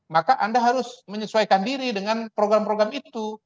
maka anda harus menyesuaikan diri dengan program program itu